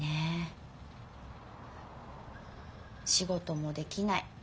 仕事もできない。